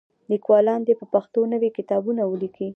لیکوالان دې په پښتو نوي کتابونه ولیکي.